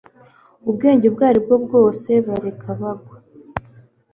Ubwenge ubwo aribwo bwose bareka bagwa